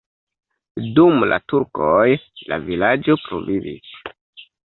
Dum la turkoj la vilaĝo pluvivis.